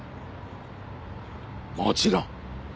もちろん！